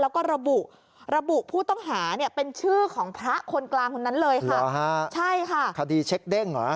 แล้วก็ระบุผู้ต้องหาเป็นชื่อของพระคนกลางคนนั้นเลยค่ะ